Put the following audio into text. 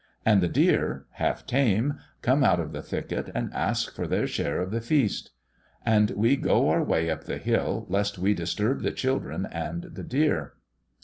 And the deer, half tame, come out of the thicket and ask for their share of the feast, and we go our way up the hill lest we disturb the children and the deer.